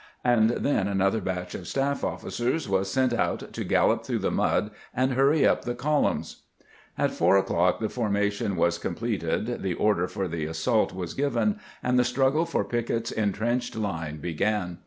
And then another batch of staff ofiicers was sent out to gallop through the mud and hurry up the columns. At four o'clock the formation was completed, the order THE BATTLE OF FIVE FOKKS 437 for the assault was given, and the struggle for Pickett's intrenched line began.